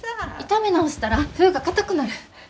炒め直したら麩がかたくなる。